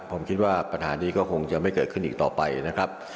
ผมคิดว่าปัญหานี้จะไม่ต้องเกิดขึ้นต่อไปนะครับ